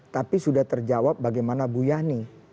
tapi sudah terjawab bagaimana bu yani